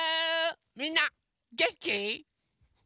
みんなげんき？